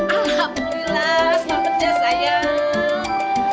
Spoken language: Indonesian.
alhamdulillah selamat ya sayang